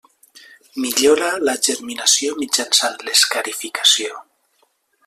Millora la germinació mitjançant l'escarificació.